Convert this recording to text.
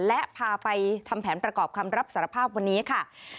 และพาไปทำแผนประกอบคำรับสารภาพวันนี้ค่ะ